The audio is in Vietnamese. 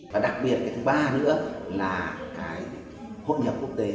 và đặc biệt cái thứ ba nữa là cái hội nhập quốc tế